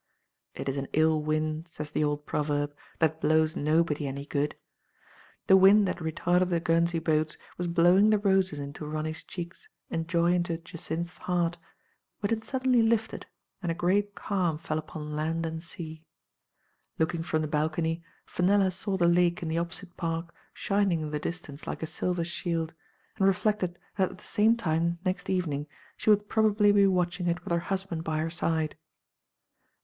It is an ill wind, says the old proverb, that blows nobody any good. The wind that retarded the Guernsey boats was blowing the roses into Ron ny*s cheeks and joy into Jacynth*s heart, when it suddenly lifted and a great calm fell upon land and sea. Looking from the balcony Fenella saw the lake in the opposite park shining in the dis tance like a silver shield^ and reflected that at the Digitized by Google J " tasma:* 299 same time next evening she would probably be watching it with her husband by her side.